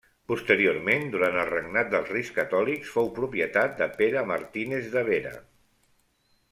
Posteriorment, durant el regnat dels reis Catòlics, fou propietat de Pere Martínez de Vera.